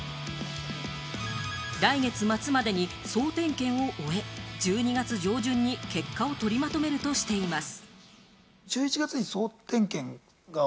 来月末までに総点検を終え、１２月上旬に結果を取りまとめるとしています。